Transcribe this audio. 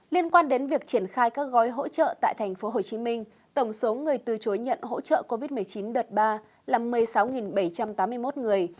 liên quan đến việc triển khai các gói hỗ trợ tại tp hcm tổng số người từ chối nhận hỗ trợ covid một mươi chín đợt ba là một mươi sáu bảy trăm tám mươi một người